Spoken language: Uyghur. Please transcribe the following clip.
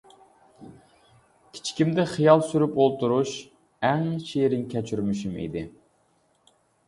كىچىكىمدە خىيال سۈرۈپ ئولتۇرۇش ئەڭ شېرىن كەچۈرمىشىم ئىدى.